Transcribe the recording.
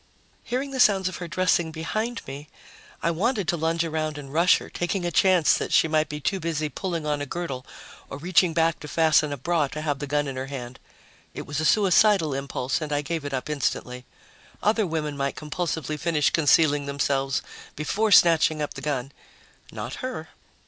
Hearing the sounds of her dressing behind me, I wanted to lunge around and rush her, taking a chance that she might be too busy pulling on a girdle or reaching back to fasten a bra to have the gun in her hand. It was a suicidal impulse and I gave it up instantly. Other women might compulsively finish concealing themselves before snatching up the gun. Not her.